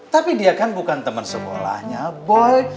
tapi dia kan bukan teman sekolahnya boy